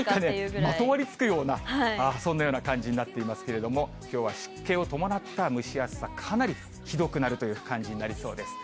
なんかね、まとわりつくような、そんなような感じになっていますけれども、きょうは湿気を伴った蒸し暑さ、かなりひどくなるという感じになりそうです。